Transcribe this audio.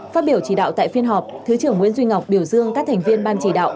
phát biểu chỉ đạo tại phiên họp thứ trưởng nguyễn duy ngọc biểu dương các thành viên ban chỉ đạo